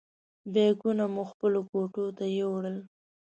بیکونه مو خپلو کوټو ته یوړل.